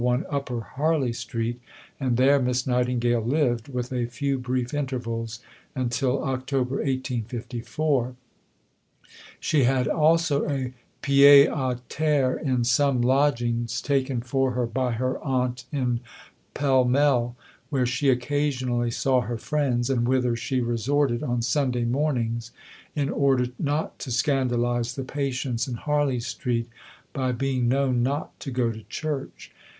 1 Upper Harley Street, and there Miss Nightingale lived, with a few brief intervals, until October 1854. She had also a pied à terre in some lodgings taken for her by her aunt in Pall Mall, where she occasionally saw her friends, and whither she resorted on Sunday mornings, in order not to scandalize the patients in Harley Street by being known not to go to church.